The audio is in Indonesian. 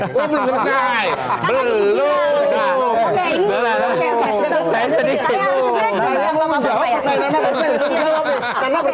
belum selesai belum belum